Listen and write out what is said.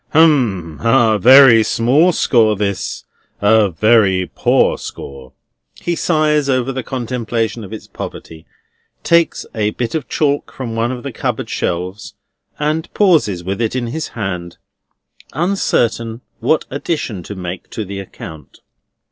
Hum; ha! A very small score this; a very poor score!" He sighs over the contemplation of its poverty, takes a bit of chalk from one of the cupboard shelves, and pauses with it in his hand, uncertain what addition to make to the account.